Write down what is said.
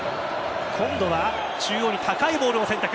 今度は中央に高いボールを選択。